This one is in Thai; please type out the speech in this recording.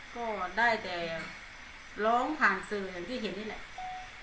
ก็ได้แต่ร้องผ่านสื่ออย่างที่เห็นนี่แหละ